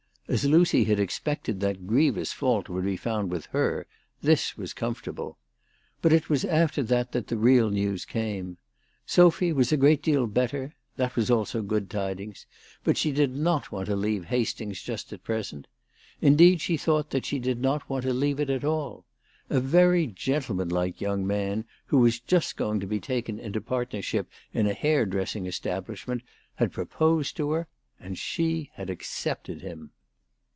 As Lucy had expected that grievous fault would be found with her, this was comfortable. But it was after that, that the real news came. Sophy was a great deal better ; that was also good tidings ; but she did not want to leave Hastings just at present. Indeed she thought that she did not want to leave it at all. A very gentlemanlike young man, who was just going to be taken into partnership in a hairdressing establishment, had proposed to her ; and she had accepted him.